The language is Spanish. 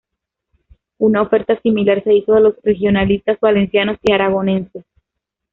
Una oferta similar se hizo a los regionalistas valencianos y aragoneses.